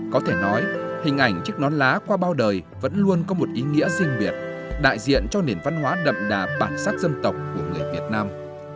có thể nói hình ảnh chiếc non lá qua bao đời vẫn luôn có một ý nghĩa riêng biệt đại diện cho nền văn hóa đậm đà bản sắc dân tộc của người việt nam